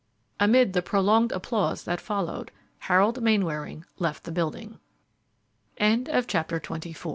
Amid the prolonged applause that followed, Harold Mainwaring left the building. CHAPTER XXV RUN TO COVER